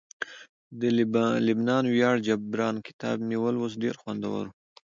د لبنان ویاړ جبران کتاب مې ولوست ډیر خوندور وو